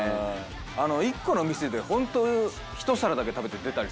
あの１個の店でホント１皿だけ食べて出たりするじゃん。